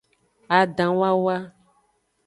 Adanwawa.